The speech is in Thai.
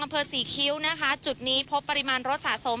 อำเภอศรีคิ้วนะคะจุดนี้พบปริมาณรถสะสม